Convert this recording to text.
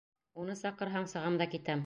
Уны саҡырһаң, сығам да китәм!